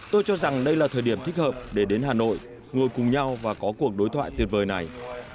tôi cho rằng đây là thời điểm thích hợp để đến hà nội ngồi cùng nhau và có cuộc đối thoại tuyệt vời này